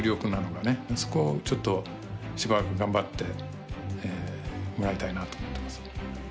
そこちょっとしばらく頑張ってもらいたいなと思ってます。